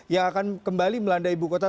yang akan kembali melanda ibu kota